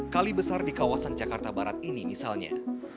kali besar di kawasan jakarta barat ini misalnya